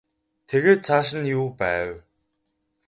Тэгээд цааш нь юу байв?